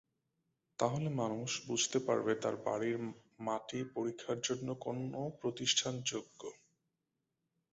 তাহলে মানুষ বুঝতে পারবে তার বাড়ির মাটি পরীক্ষার জন্য কোন প্রতিষ্ঠান যোগ্য।